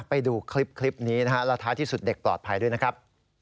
ไปดูคลิปนี้นะฮะแล้วท้ายที่สุดเด็กปลอดภัยด้วยนะครับ